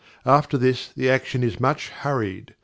After this the action is much hurried.